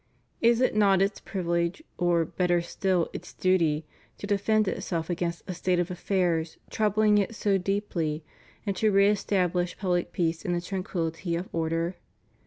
Is it not its privilege — or, better still, its duty — to defend itself against a state of affairs troubling it so deeply, and to re establish public peace in the tranquillity of order?